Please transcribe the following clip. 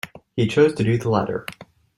He chose to do the latter.